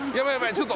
ちょっと！